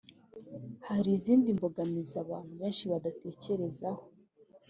Hari izindi mbogamizi abantu benshi badatekerezaho